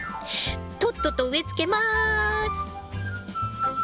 とっとと植えつけます。